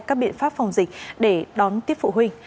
các biện pháp phòng dịch để đón tiếp phụ huynh